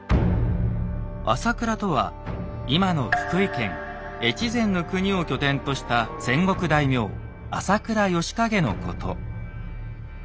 朝倉とは今の福井県越前国を拠点とした戦国大名朝倉義景のこと。